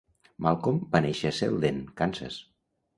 Malcolm va néixer a Selden, Kansas.